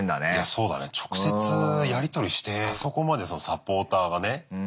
そうだね直接やり取りしてあそこまでサポーターがねつくり上げてると。